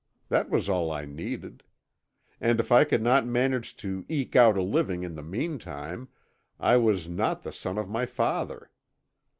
That was all I needed. And if I could not manage to eke out a living in the meantime I was not the son of my father.